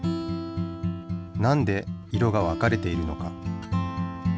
なんで色が分かれているのか？